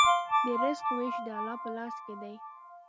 د رزق وېش د الله په لاس کې دی.